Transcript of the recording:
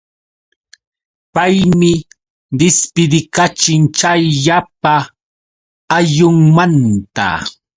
Paymi dispidikachin chay llapa ayllunmanta.